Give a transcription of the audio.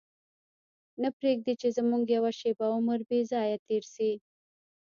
نه پرېږدي چې زموږ یوه شېبه عمر بې ځایه تېر شي.